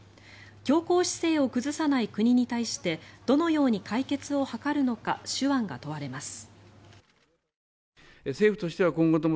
強硬姿勢を崩さない国に対してどのように解決を図るのか手腕が問われます。